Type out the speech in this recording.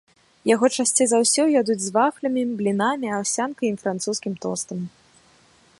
Яго часцей за ўсё ядуць з вафлямі, блінамі, аўсянкай і французскім тостам.